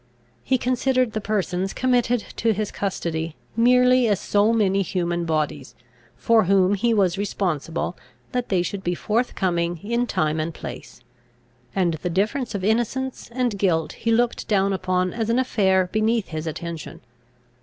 He considered the persons committed to his custody, merely as so many human bodies, for whom he was responsible that they should be forthcoming in time and place; and the difference of innocence and guilt he looked down upon as an affair beneath his attention.